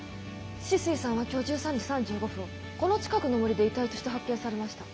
酒々井さんは今日１３時３５分この近くの森で遺体として発見されました。